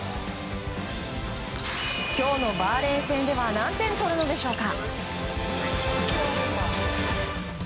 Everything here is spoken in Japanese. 今日のバーレーン戦では何点とるのでしょうか。